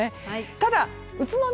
ただ、宇都宮